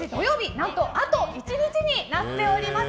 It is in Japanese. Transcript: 何と、あと１日になっております。